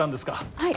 はい。